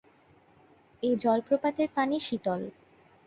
এ জলপ্রপাতের পানি শীতল।